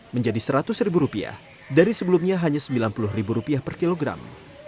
menjadi seratus ribu rupiah dari sebelumnya hanya sembilan puluh ribu rupiah per kilogram